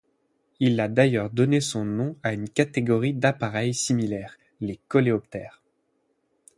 Il a d'ailleurs donné son nom à une catégorie d'appareils similaires, les coléoptères.